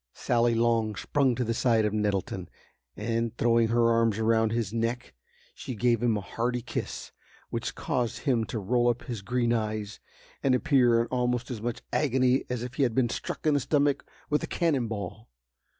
Sally Long sprung to the side of Nettleton, and, throwing her arms around his neck she gave him a hearty kiss, which caused him to roll up his green eyes, and appear in almost as much agony as if he had been struck in the stomach with a cannon ball.